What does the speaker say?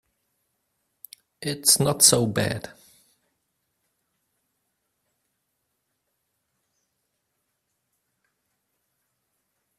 It's not so bad.